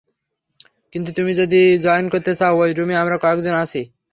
কিন্তু তুমি যদি জয়েন করতে চাও ঐ রুমে আমরা কয়েকজন আছি।